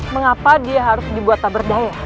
mengapa dia harus dibuat tak berdaya